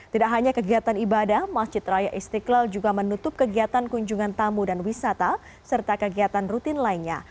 tidak hanya kegiatan ibadah masjid raya istiqlal juga menutup kegiatan kunjungan tamu dan wisata serta kegiatan rutin lainnya